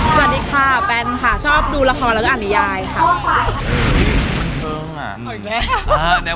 สวัสดีค่ะแบนค่ะชอบดูละครแล้วก็อ่านนิยายค่ะ